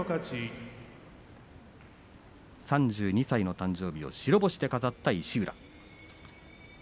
３２歳の誕生日を白星で飾った石浦。